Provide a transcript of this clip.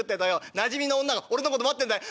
なじみの女が俺のこと待ってんだい。